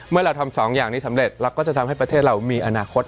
เมื่อเราทำสองอย่างนี้สำเร็จเราก็จะทำให้ประเทศเรามีอนาคต